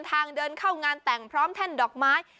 ทางเดินเข้างานแต่งพร้อมแท่นดอกไม้